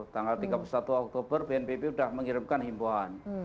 tanggal tiga puluh satu oktober bnpb sudah mengirimkan himbauan